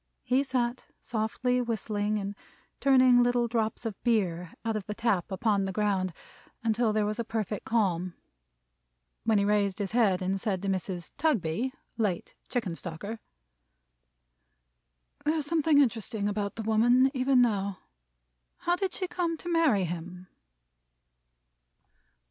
He sat softly whistling, and turning little drops of beer out of the tap upon the ground, until there was a perfect calm: when he raised his head and said to Mrs. Tugby, late Chickenstalker: "There's something interesting about the woman, even now. How did she come to marry him?"